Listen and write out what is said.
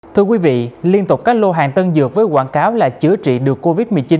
thưa quý vị liên tục các lô hàng tân dược với quảng cáo là chữa trị được covid một mươi chín